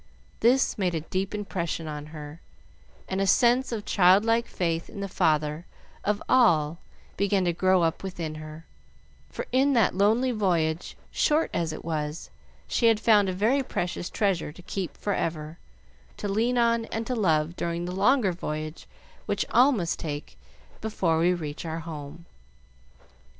This made a deep impression on her, and a sense of childlike faith in the Father of all began to grow up within her; for in that lonely voyage, short as it was, she had found a very precious treasure to keep for ever, to lean on, and to love during the longer voyage which all must take before we reach our home.